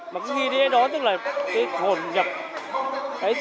mà cái nghi lễ đó tức là cái hồn nhập